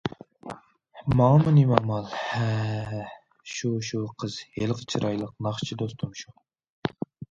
ماڭىمۇ نېمە ئامال، ھە ھە... شۇ، شۇ قىز، ھېلىقى چىرايلىق ناخشىچى دوستۇم شۇ.